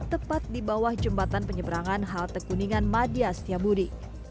tepat di bawah jembatan penyeberangan halte kuningan madias tiabudi